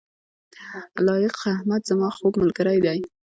لائق احمد زما خوږ ملګری دی